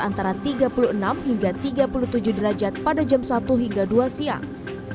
antara tiga puluh enam hingga tiga puluh tujuh derajat pada jam satu hingga dua siang